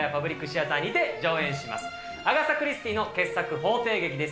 アガサ・クリスティの傑作法廷劇です。